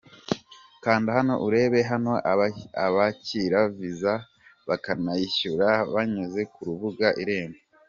Kanda hano urebe aho bakira visa bakanayishyura banyuze ku rubuga Irembo.